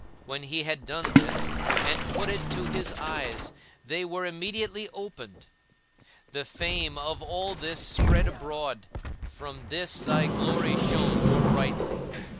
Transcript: When he had done this, and put it to his eyes, they were immediately opened. The fame of all this spread abroad; from this thy glory shone more brightly.